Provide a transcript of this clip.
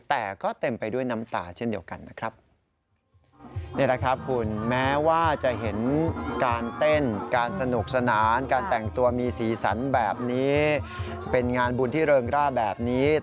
แต่ก็เต็มไปด้วยน้ำตาเช่นเดียวกันนะครับ